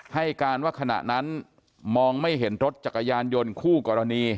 ให้การว่าขณะนั้นมองไม่เห็นรถจักรยานยนต์คู่กรณี